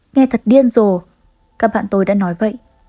nghe thật điên rồ các bạn tôi đã nói vậy